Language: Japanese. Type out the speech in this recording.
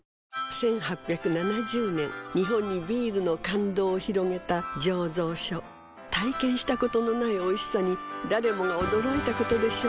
１８７０年日本にビールの感動を広げた醸造所体験したことのないおいしさに誰もが驚いたことでしょう